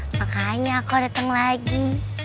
makanya aku dateng lagi